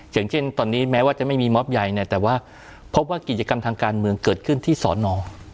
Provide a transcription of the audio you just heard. อย่างเช่นตอนนี้แม้ว่าจะไม่มีมอบใหญ่เนี่ยแต่ว่าพบว่ากิจกรรมทางการเมืองเกิดขึ้นที่สอนอ